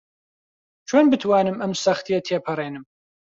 چۆن بتوانم ئەم سەختییە تێپەڕێنم؟